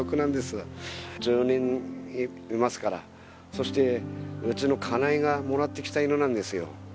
１０年いますからそしてうちの家内がもらってきた犬なんですよ